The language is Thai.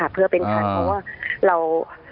เพื่อเป็นทันเพราะว่าเรา